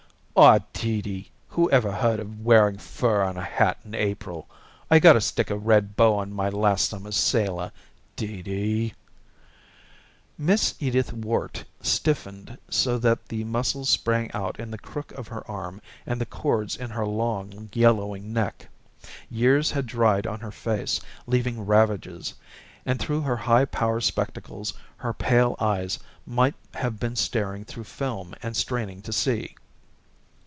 "Aw, Dee Dee, who ever heard of wearing fur on a hat in April? I gotta stick a red bow on my last summer's sailor, Dee Dee." Miss Edith Worte stiffened so that the muscles sprang out in the crook of her arm and the cords in her long, yellowing neck. Years had dried on her face, leaving ravages, and through her high power spectacles her pale eyes might have been staring through film and straining to see.